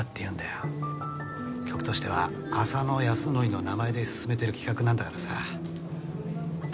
局としては浅野ヤスノリの名前で進めてる企画なんだからさ。